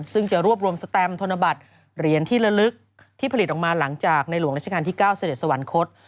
ซึ่งจะรวบรวมสแตมธนบัตรเหรียญที่ละลึกที่ผลิตออกมาหลังจากในหลวงราชการที่๙เสด็จสวรรคต